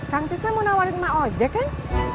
kang tisna mau nawarin mak aja kan